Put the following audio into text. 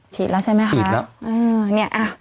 ฉีดละใช่มั้ยคะ